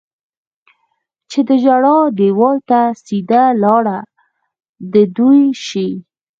چې د ژړا دېوال ته سیده لاره د دوی شي.